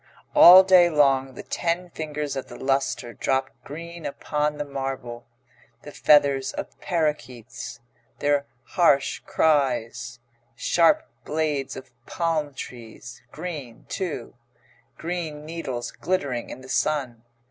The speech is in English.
All day long the ten fingers of the lustre drop green upon the marble. The feathers of parakeets their harsh cries sharp blades of palm trees green, too; green needles glittering in the sun.